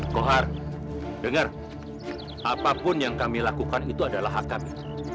kohar dengar apapun yang kami lakukan itu adalah hak kami